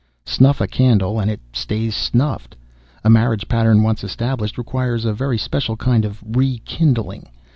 Snuff a candle and it stays snuffed. A marriage pattern once established requires a very special kind of re kindling.